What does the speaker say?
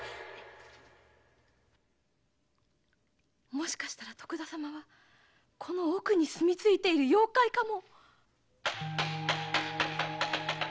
もしかしたら徳田様はこの奥に住み着いてる妖怪かも？